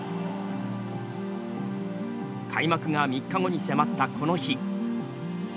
開幕が３日後に迫ったこの日。